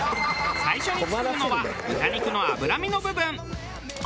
最初に作るのは豚肉の脂身の部分。